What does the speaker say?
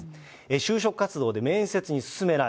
就職活動で面接に進めない。